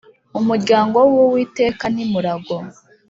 umuryango w ‘ Uwiteka nimurago.